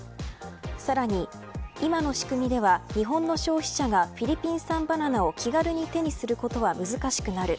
さらに、今の仕組みでは日本の消費者がフィリピン産バナナを気軽に手にすることは難しくなる。